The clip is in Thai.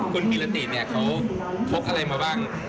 คุณกิลตินเนี่ยเขาพกอะไรมาบ้างในนี้